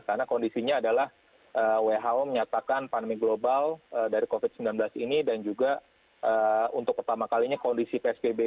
karena kondisinya adalah who menyatakan pandemi global dari covid sembilan belas ini dan juga untuk pertama kalinya kondisi psbb